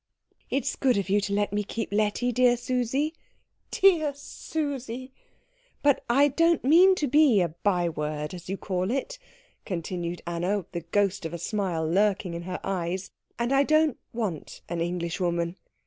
"It is good of you to let me keep Letty, dear Susie " "Dear Susie!" "But I don't mean to be a by word, as you call it," continued Anna, the ghost of a smile lurking in her eyes, "and I don't want an Englishwoman.